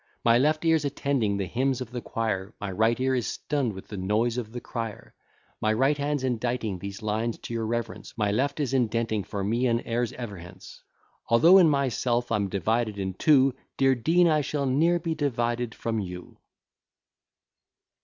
My left ear's attending the hymns of the choir, My right ear is stunn'd with the noise of the crier. My right hand's inditing these lines to your reverence, My left is indenting for me and heirs ever hence. Although in myself I'm divided in two, Dear Dean, I shall ne'er be divided from you.